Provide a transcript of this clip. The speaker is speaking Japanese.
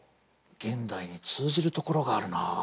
現代に通じるところがあるなあ。